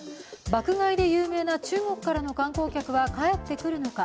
爆買いで有名な中国からの観光客は帰ってくるのか。